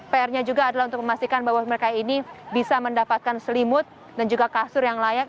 pr nya juga adalah untuk memastikan bahwa mereka ini bisa mendapatkan selimut dan juga kasur yang layak